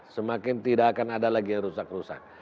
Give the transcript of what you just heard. semakin tidak akan ada lagi yang rusak rusak